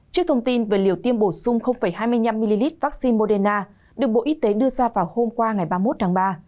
trước thông tin về liều tiêm bổ sung hai mươi năm ml vaccine moderna được bộ y tế đưa ra vào hôm qua ngày ba mươi một tháng ba